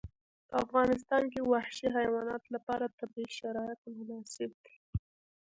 په افغانستان کې وحشي حیواناتو لپاره طبیعي شرایط مناسب دي.